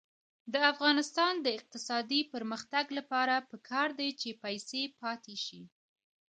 د افغانستان د اقتصادي پرمختګ لپاره پکار ده چې پیسې پاتې شي.